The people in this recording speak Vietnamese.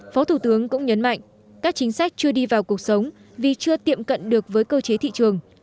phó thủ tướng cũng nhấn mạnh các chính sách chưa đi vào cuộc sống vì chưa tiệm cận được với cơ chế thị trường